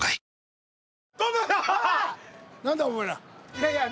いやいや。